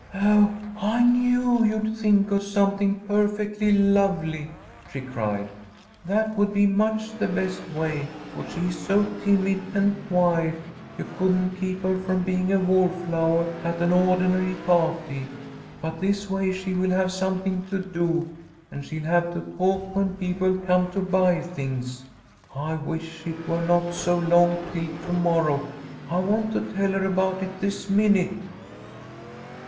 "Oh, I knew you'd think of something perfectly lovely," she cried. "That would be much the best way, for she is so timid and quiet you couldn't keep her from being a wall flowah at an ordinary pah'ty. But this way she will have something to do, and she'll have to talk when people come to buy things. I wish it were not so long till to morrow! I want to tell her about it this minute."